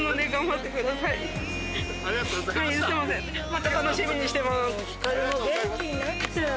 また楽しみにしてます。